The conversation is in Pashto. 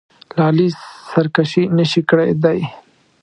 له علي سرکشي نه شي کېدای.